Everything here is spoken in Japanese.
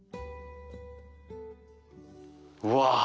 うわ。